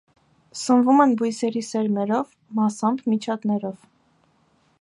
Սնվում են բույսերի սերմերով, մասամբ՝ միջատներով։